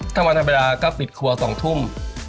ถ้าวันทางเวลาก็ปิดครัว๒ทุ่ม